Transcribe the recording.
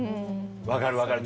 分かる分かる